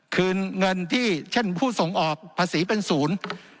คืนเงินที่เช่นผู้ส่งออกภาษีเป็นศูนย์